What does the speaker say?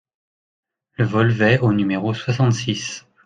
Le Volvet au numéro soixante-six